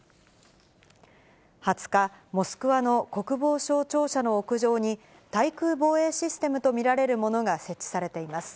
２０日、モスクワの国防省庁舎の屋上に、対空防衛システムと見られるものが設置されています。